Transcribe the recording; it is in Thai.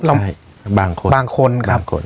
ใช่บางคนครับ